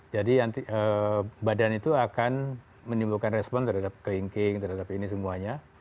jadi badan itu akan menimbulkan respon terhadap kelingking terhadap ini semuanya